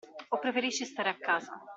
O preferisci stare a casa?